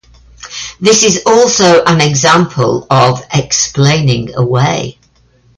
This is also an example of Explaining Away.